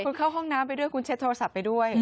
คุณเข้าห้องน้ำไปด้วยคุณเช็ดโทรศัพท์ไปด้วย